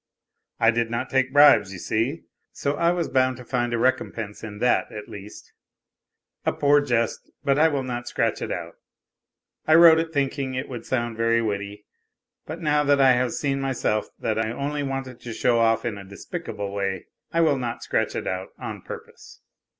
I did not take bribes, you see, so I was bound to find a recompense in that, at least. (A poor jest, but I will not scratch it out. I wrote it thinking it would sound very witty ; but now that I have seen myself that I only wanted to show off in a despicable way, I will not scratch it out on purpose